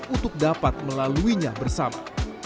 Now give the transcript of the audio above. untuk dapat melaluinya bersama